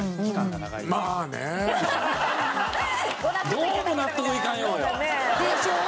どうも納得いかんようやわ。